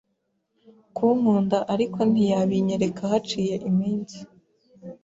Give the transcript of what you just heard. kunkunda ariko ntiyabinyereka haciye iminsi